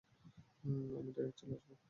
আমি ডাইরেক্ট চলে আসব।